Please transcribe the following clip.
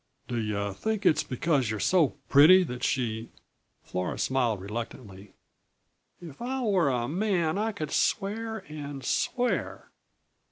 "Do you think it's because you're so pretty that she " Flora smiled reluctantly. "If I were a man I could swear and _swear!